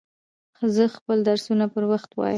زه خپل درسونه پر وخت وایم.